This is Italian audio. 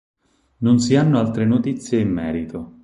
Non si hanno altre notizie in merito.